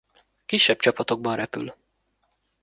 Kisebb csapatokban repül.